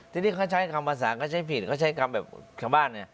ทีนี้เขาใช้คำภาษาเขาใช้ผิดเขาใช้คำแบบชาวบ้านเนี่ย